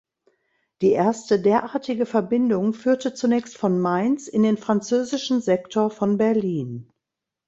Die erste derartige Verbindung führte zunächst von Mainz in den französischen Sektor von Berlin.